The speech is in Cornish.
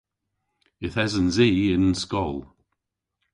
Yth esens i y�n skol.